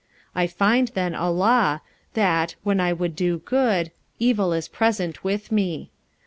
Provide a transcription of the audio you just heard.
45:007:021 I find then a law, that, when I would do good, evil is present with me.